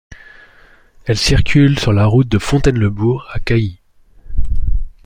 Elle circule sur la route de Fontaine-le-Bourg à Cailly.